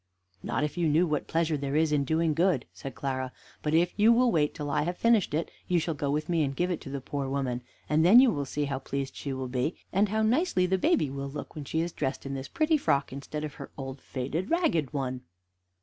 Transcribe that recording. "Not if you knew what pleasure there is in doing good," said Clara; "but if you will wait till I have finished it, you shall go with me and give it to the poor woman, and then you will see how pleased she will be, and how nicely the baby will look when she is dressed in this pretty frock, instead of her old faded, ragged one."